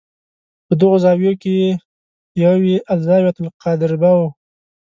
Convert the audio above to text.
په دغو زاویو کې یوه یې الزاویة القادربه ده.